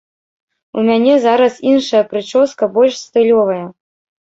У мяне зараз іншая прычоска, больш стылёвая.